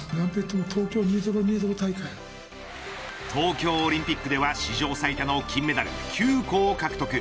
東京オリンピックでは史上最多の金メダル９個を獲得。